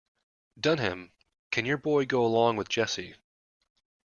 Dunham, can your boy go along with Jesse.